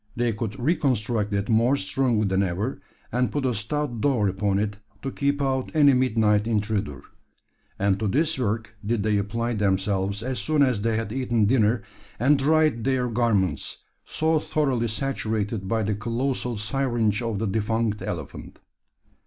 They could reconstruct it more strongly than ever; and put a stout door upon it to keep out any midnight intruder; and to this work did they apply themselves as soon as they had eaten dinner, and dried their garments so thoroughly saturated by the colossal syringe of the defunct elephant.